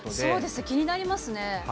そうですね、気になりますね。